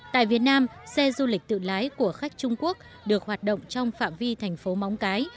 tại việt nam xe du lịch tự lái của khách trung quốc được hoạt động trong phạm vi thành phố móng cái